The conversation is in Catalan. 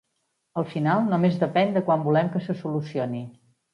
Al final, només depèn de quan volem que se solucioni.